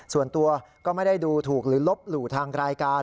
ส่วนตัวก็ไม่ได้ดูถูกหรือลบหลู่ทางรายการ